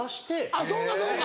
あっそうかそうか。